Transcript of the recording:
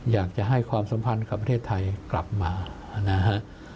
อยากจะให้ความสัมพันธ์กับประเทศไทยกลับมานะฮะ